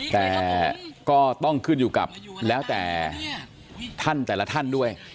แต่ก็ต้องขึ้นอยู่กับแล้วแต่ท่านแต่ละท่านด้วย